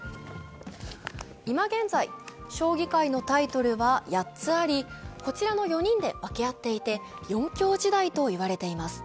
今現在、将棋界のタイトルは８つありこちらの４人で分け合っていて、４強時代と言われています。